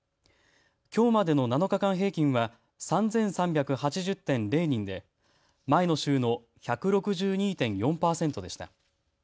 きょうまでの７日間平均は３３８０．０人で前の週の１６２．４％でした。